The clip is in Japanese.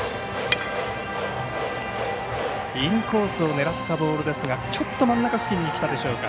インコースを狙ったボールですが、ちょっと真ん中付近にきたでしょうか。